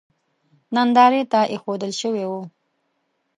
نندارې ته اېښودل شوی و.